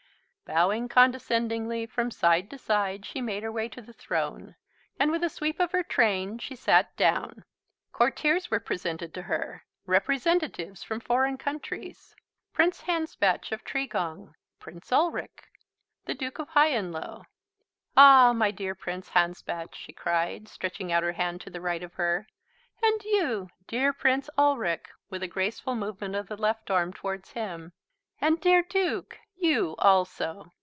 Bowing condescendingly from side to side she made her way to the Throne, and with a sweep of her train she sat down. Courtiers were presented to her; representatives from foreign countries; Prince Hanspatch of Tregong, Prince Ulric, the Duke of Highanlow. "Ah, my dear Prince Hanspatch," she cried, stretching out her hand to the right of her; "and you, dear Prince Ulric," with a graceful movement of the left arm towards him; "and, dear Duke, you also!"